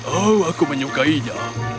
oh aku menyukainya